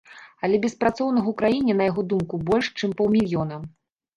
Але беспрацоўных у краіне, на яго думку, больш, чым паўмільёна.